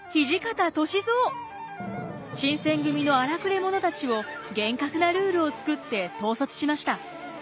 新選組の荒くれ者たちを厳格なルールを作って統率しました。